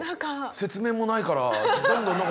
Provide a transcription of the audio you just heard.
説明もないからどんどんなんか。